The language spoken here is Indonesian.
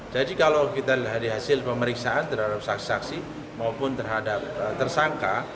kalau kita lihat dari hasil pemeriksaan terhadap saksi saksi maupun terhadap tersangka